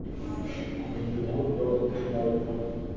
Kumenya urukundo mumutima we pe